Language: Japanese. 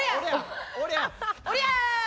おりゃ！